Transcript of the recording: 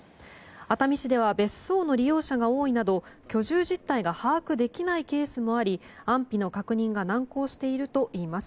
熱海市では別荘の利用者が多いなど居住実態が把握できないケースもあり安否の確認が難航しているといいます。